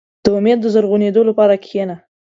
• د امید د زرغونېدو لپاره کښېنه.